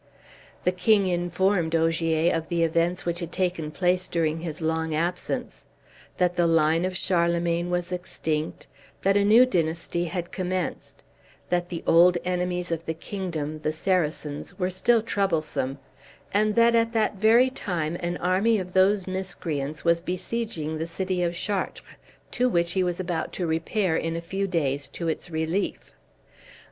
The king informed Ogier of the events which had taken place during his long absence; that the line of Charlemagne was extinct; that a new dynasty had commenced; that the old enemies of the kingdom, the Saracens, were still troublesome; and that at that very time an army of those miscreants was besieging the city of Chartres, to which he was about to repair in a few days to its relief.